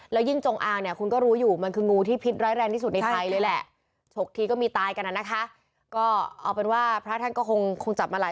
แล้วยิ่งจงอางเนี่ยคุณก็รู้อยู่มันคืองูที่พิษแร้งที่สุดในไทยเลยแหละ